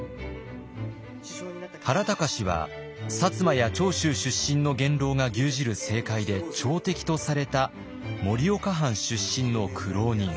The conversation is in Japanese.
原敬は薩摩や長州出身の元老が牛耳る政界で朝敵とされた盛岡藩出身の苦労人。